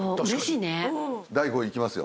第５位いきますよ。